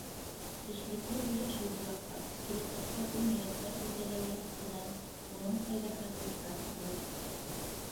Эшлекле һөйләшеү буласаҡ, киләсәккә уй-ниәттәр билдәләү йәһәтенән уның файҙаһы ифрат ҙур.